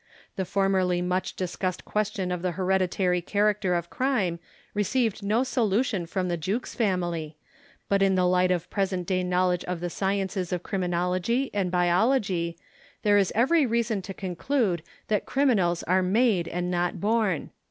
The formerly much discussed 54 THE KALLIKAK FAMILY question of the hereditary character of crime received no solution from the Jukes family, but in the light of present day knowledge of the sciences of criminology and biology, there is every reason to conclude that criminals are made and not born.